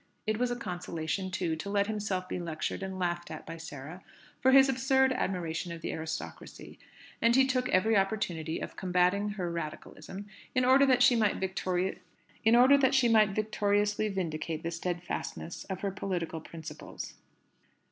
It was a consolation, too, to let himself be lectured and laughed at by Sarah for his absurd admiration of the aristocracy. And he took every opportunity of combating her Radicalism, in order that she might victoriously vindicate the steadfastness of her political principles.